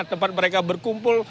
tempat mereka berkumpul